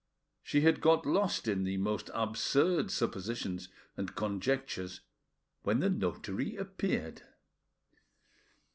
She had got lost in the most absurd suppositions and conjectures when the notary appeared.